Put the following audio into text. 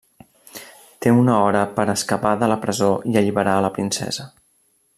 Té una hora per a escapar de la presó i alliberar a la princesa.